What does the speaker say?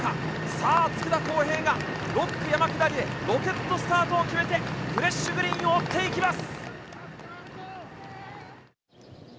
さあ、佃康平が６区山下りでロケットスタートを決めて、フレッシュグリーンを追っていきます。